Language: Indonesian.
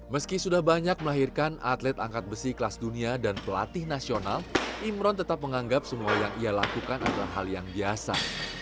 meski sudah banyak melahirkan atlet angkat besi kelas dunia dan pelatih nasional imron tetap menganggap semua yang ia lakukan adalah hal yang biasa